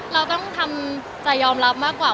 เราต้องทำใจยอมรับมากกว่า